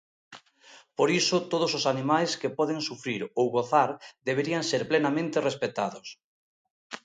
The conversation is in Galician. Por iso, todos os animais que poden sufrir ou gozar deberían ser plenamente respectados.